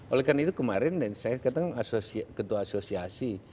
oleh karena itu kemarin saya katakan ketua asosiasi